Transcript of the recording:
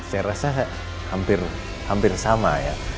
sang kerasa hampir sama